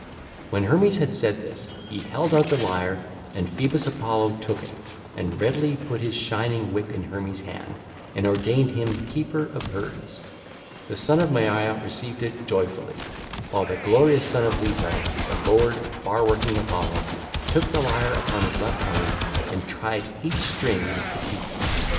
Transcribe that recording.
496 502) When Hermes had said this, he held out the lyre: and Phoebus Apollo took it, and readily put his shining whip in Hermes' hand, and ordained him keeper of herds. The son of Maia received it joyfully, while the glorious son of Leto, the lord far working Apollo, took the lyre upon his left arm and tried each string with the key.